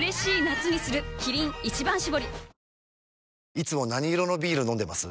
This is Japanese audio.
いつも何色のビール飲んでます？